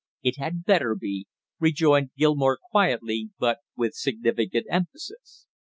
"It had better be!" rejoined Gilmore quietly, but with significant emphasis.